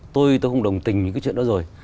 tôi tôi không đồng tình với cái chuyện đó rồi